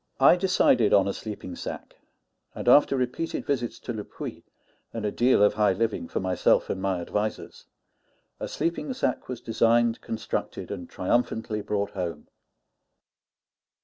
I decided on a sleeping sack; and after repeated visits to Le Puy, and a deal of high living for myself and my advisers, a sleeping sack was designed, constructed, and triumphantly brought home.